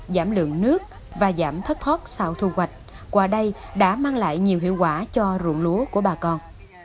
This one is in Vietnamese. giảm lượng nước và giảm thất thoát sau thu hoạch qua đây đã mang lại nhiều hiệu quả cho rụng lúa của bà con